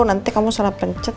nanti kamu salah pencet